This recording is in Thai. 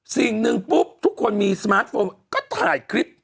สิ่งหนึ่งปุ๊บทุกคนมีสมาร์ทโฟนก็ถ่ายคลิป